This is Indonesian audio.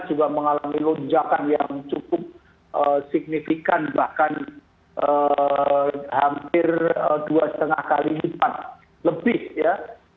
dan juga mengalami lonjakan yang cukup signifikan bahkan hampir dua lima kali lebih dari hari hari sebelumnya